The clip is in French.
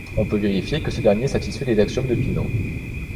On peut vérifier que ce dernier satisfait les axiomes de Peano.